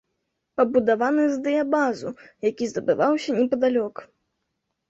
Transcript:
Пабудаваны з дыябазу, які здабываўся непадалёк.